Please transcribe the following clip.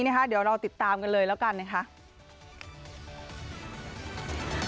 เดี๋ยวเราติดตามกันเลยแล้วกันนะคะ